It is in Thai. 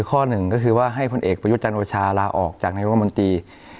ข้อหนึ่งก็คือว่าให้ผู้เอกประยุทธ์จันโลชาลาออกจากนักงานมนตรี